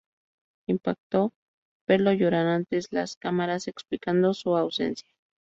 Impactó verlo llorar ante las cámaras, explicando su ausencia.